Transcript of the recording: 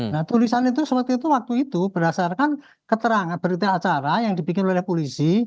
nah tulisan itu seperti itu waktu itu berdasarkan keterangan berita acara yang dibikin oleh polisi